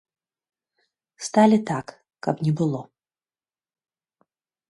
Сталі так, каб не было.